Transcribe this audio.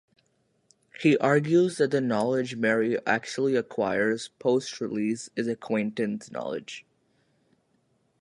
He argues that the knowledge Mary actually acquires post-release is acquaintance knowledge.